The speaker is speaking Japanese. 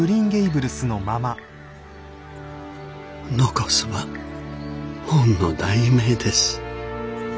残すは本の題名です。